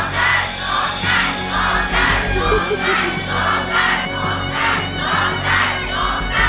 น้องพ่อสิให้นำบอก